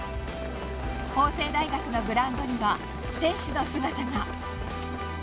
法政大学のグラウンドには選手の姿が。